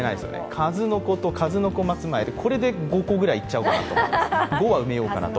数の子と、数の子松前で５個ぐらいいっちゃうかなと。